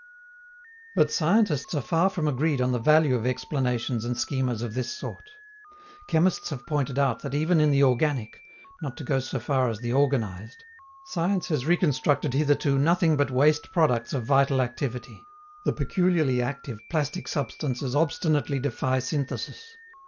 But scientists are far from agreed on the value of explanations and schemas of this sort. Chemists have pointed out that even in the organic not to go so far as the organized science has reconstructed hitherto nothing but waste products of vital activity; the peculiarly active plastic substances obstinately defy synthesis.